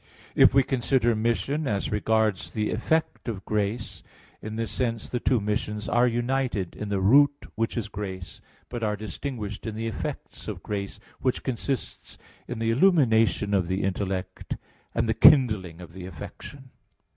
If we consider mission as regards the effect of grace, in this sense the two missions are united in the root which is grace, but are distinguished in the effects of grace, which consist in the illumination of the intellect and the kindling of the affection.